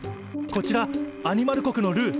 こちらアニマル国のルー。